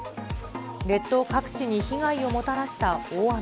列島各地に被害をもたらした大雨。